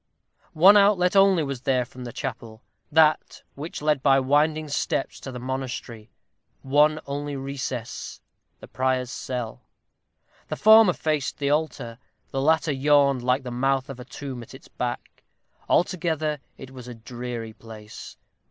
One outlet only was there from the chapel that which led by winding steps to the monastery; one only recess the prior's cell. The former faced the altar; the latter yawned like the mouth of a tomb at its back. Altogether it was a dreary place.